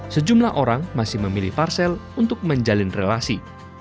sejumlah orang masih memilih parsel untuk menjalin relasi